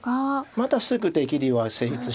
まだすぐ出切りは成立しないです。